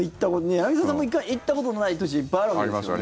柳澤さんも行ったことのない都市いっぱいあるわけですよね。